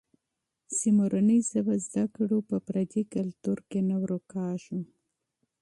چي مورنۍ ژبه زده کړو، په پردي کلتور کې نه ډوبېږو.